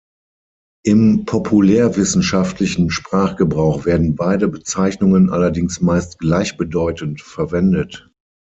Im populärwissenschaftlichen Sprachgebrauch werden beide Bezeichnungen allerdings meist gleichbedeutend verwendet.